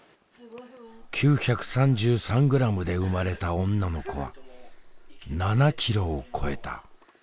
９３３グラムで生まれた女の子は７キロを超えた。